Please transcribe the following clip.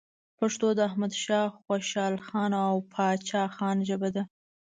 پښتو د احمد شاه خوشحالخان او پاچا خان ژبه ده.